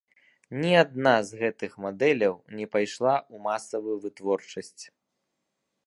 Ні адна з гэтых мадэляў не пайшла ў масавую вытворчасць.